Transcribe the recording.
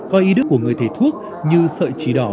coi ý đức của người thầy thuốc như sợi chỉ đỏ